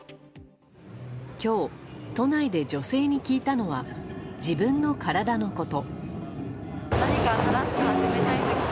今日、都内で女性に聞いたのは自分の体のこと。